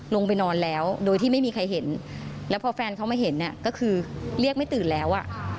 ลงไปนอนแล้วโดยที่ไม่มีใครเห็นแล้วพอแฟนเขามาเห็นเนี่ยก็คือเรียกไม่ตื่นแล้วอ่ะ